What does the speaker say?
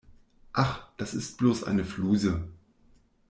Ach, das ist bloß eine Fluse.